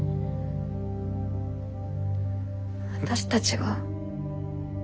私たちが？